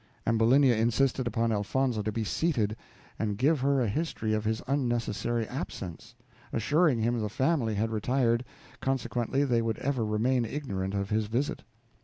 Ambulinia insisted upon Elfonzo to be seated, and give her a history of his unnecessary absence; assuring him the family had retired, consequently they would ever remain ignorant of his visit.